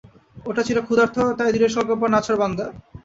ওটা ছিল ক্ষুধার্ত, তাই দৃঢসংকল্প আর নাছোড়বান্দা।